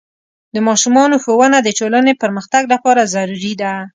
د ماشومانو ښوونه د ټولنې پرمختګ لپاره ضروري ده.